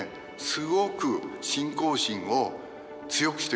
すごく信仰心を強くしてくれます。